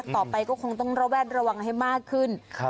ต่อไปก็คงต้องระแวดระวังให้มากขึ้น